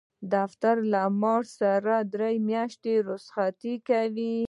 دفتر له معاش سره درې میاشتې رخصت ورکوي.